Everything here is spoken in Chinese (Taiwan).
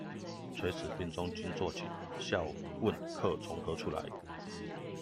垂死病中驚坐起，笑問客從何處來